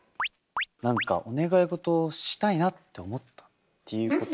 何かお願いごとをしたいなって思ったっていうことは。